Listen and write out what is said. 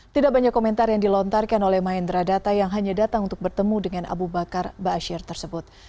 tidak banyak komentar yang dilontarkan oleh mahendra data yang hanya datang untuk bertemu dengan abu bakar ⁇ baasyir ⁇ tersebut